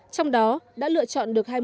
trong đó đã lựa chọn được